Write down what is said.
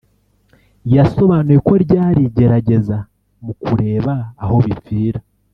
yasobanuye ko ryari igerageza mu kureba aho bipfira